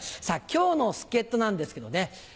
今日の助っ人なんですけどね